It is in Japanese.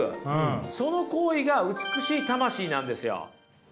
その行為が美しい魂なんですよ。